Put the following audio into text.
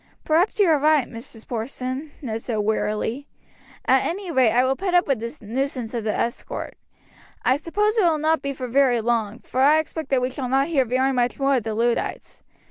"Perhaps you are right, Mrs. Porson," Ned said wearily; "at any rate I will put up with the nuisance of this escort. I suppose it will not be for very long, for I expect that we shall not hear very much more of the Luddites.